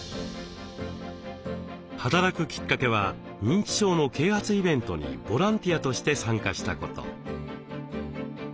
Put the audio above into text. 働くきっかけは認知症の啓発イベントにボランティアとして参加したこと。